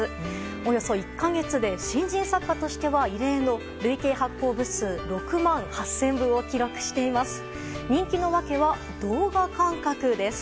およそ１か月で新人作家としては異例の累計発行部数６万８０００部を記録しています。